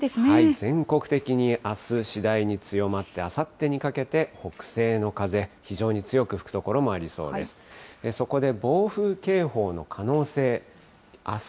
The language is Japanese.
全国的にあす、次第に強まって、あさってにかけて、北西の風、非常に強く吹く所もありそうです。